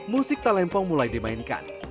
musik talempong mulai dimainkan